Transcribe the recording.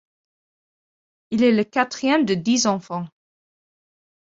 Il est le quatrième de dix enfants.